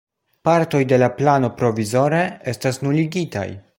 Partoj de la plano provizore estas nuligitaj.